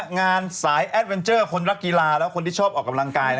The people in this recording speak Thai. งานสายแอดเวนเจอร์คนรักกีฬาและคนที่ชอบออกกำลังกาย